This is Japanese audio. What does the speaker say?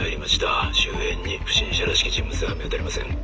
周辺に不審者らしき人物は見当たりません」。